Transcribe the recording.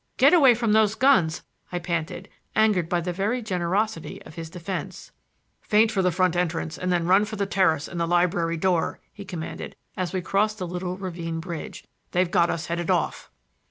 "Get away from those guns," I panted, angered by the very generosity of his defense. "Feint for the front entrance and then run for the terrace and the library door," he commanded, as we crossed the little ravine bridge. "They've got us headed off."